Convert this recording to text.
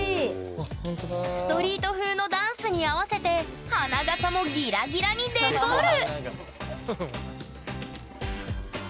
ストリート風のダンスに合わせて花笠もギラギラにデコる！